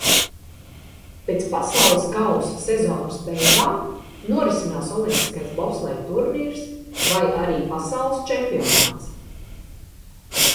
Pēc pasaules kausa sezonas beigām norisinās olimpiskais bobsleja turnīrs vai arī pasaules čempionāts.